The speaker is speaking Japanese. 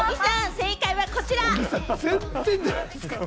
正解はこちら。